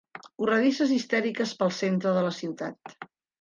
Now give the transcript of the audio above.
Corredisses histèriques pel centre de la ciutat.